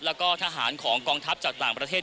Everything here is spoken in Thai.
แล้วก็ทหารของกองทัพจากต่างประเทศ